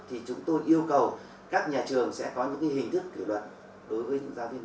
thì chúng tôi yêu cầu các nhà trường sẽ có những hình thức kiểu đoạn đối với những giáo viên đó